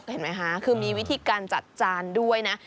เห็นไหมคะคือมีวิธีการจัดจานด้วยนะ